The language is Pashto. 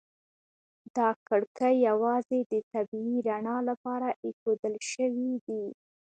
دا کړکۍ یوازې د طبیعي رڼا لپاره ایښودل شوي دي.